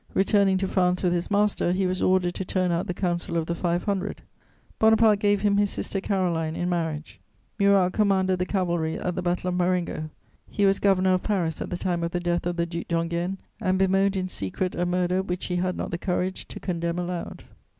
Returning to France with his master, he was ordered to turn out the Council of the Five Hundred. Bonaparte gave him his sister Caroline in marriage. Murat commanded the cavalry at the Battle of Marengo. He was Governor of Paris at the time of the death of the Duc d'Enghien and bemoaned in secret a murder which he had not the courage to condemn aloud.